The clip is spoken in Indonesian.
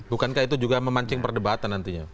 bukankah itu juga memancing perdebatan nantinya